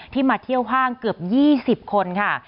มาเที่ยวห้างเกือบ๒๐คนค่ะ